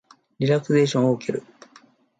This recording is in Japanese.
リラクゼーションを受ける